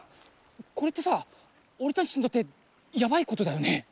これってさ俺たちにとってやばいことだよね？